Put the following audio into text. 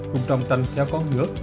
cùng trong tranh theo con ngước